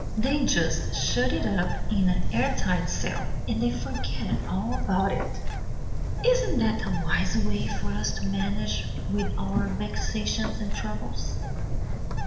They just shut it up in an airtight cell, and then forget all about it. Isn't that a wise way for us to manage with our vexations and troubles?